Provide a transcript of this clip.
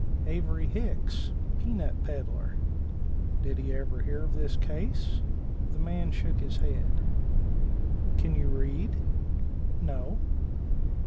Avery Hicks, pea nut peddler. Did he ever hear of this case? The man shook his head. "Can you read?" "No."